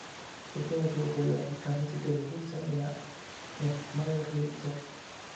Su último club fue el Kansas City Wizards en la Major League Soccer.